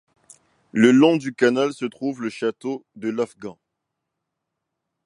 Le long du canal se trouve le château de l'Afgand.